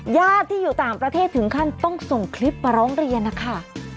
ญาติที่อยู่ต่างประเทศถึงขั้นต้องส่งคลิปมาร้องเรียนนะคะ